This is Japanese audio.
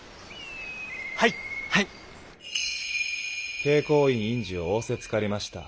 慶光院院主を仰せつかりました。